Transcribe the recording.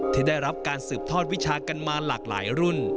ที่ได้รับการสืบทอดวิชากันมาหลากหลายรุ่น